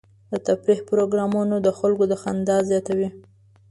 د تفریح پروګرامونه د خلکو خندا زیاتوي.